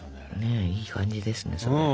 いい感じですね。